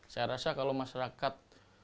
saya rasa kalau masyarakat